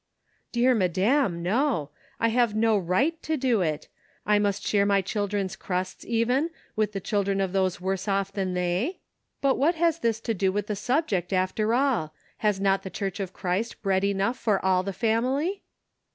"Dear madam, no; I have no right to do Seed Sown on Thorny Ground. 223 it. I must share my children's crusts, even, with the children of those worse off than they ? But what has this to do with the subject, after all ? Has not the Church of Christ bread enough for all the family?"